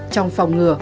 trong phòng ngừa